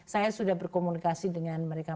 saya sudah berkomunikasi dengan mereka